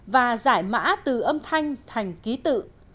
và giải mã từ âm thanh thành ký tự